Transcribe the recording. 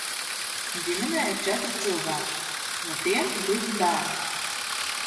Ģimenē ir četri cilvēki, no tiem divi bērni.